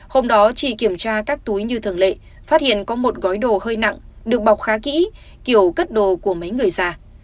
hôm đó chị kiểm tra các túi như thường lệ phát hiện có một gói đồ hơi nặng được bọc khá kỹ kiểu cất đồ của mấy người già